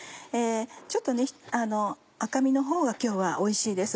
ちょっと赤身のほうが今日はおいしいです。